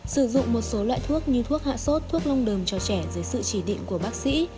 sử dụng một số loại thuốc như thuốc hạ sốt thuốc long đờm cho trẻ dưới sự chỉ định của bác sĩ